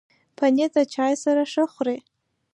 پنېر د چای سره ښه خوري.